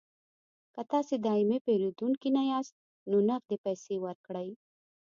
که تاسې دایمي پیرودونکي نه یاست نو نغدې پیسې ورکړئ